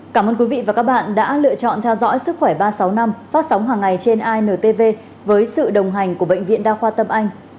cảm ơn quý vị và các bạn đã lựa chọn theo dõi sức khỏe ba trăm sáu mươi năm phát sóng hàng ngày trên intv với sự đồng hành của bệnh viện đa khoa tâm anh